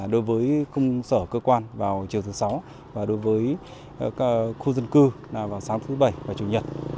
đối với khung sở cơ quan vào chiều thứ sáu và đối với khu dân cư là vào sáng thứ bảy và chủ nhật